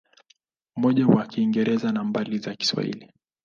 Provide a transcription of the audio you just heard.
Moja ya Kiingereza na mbili za Kiswahili.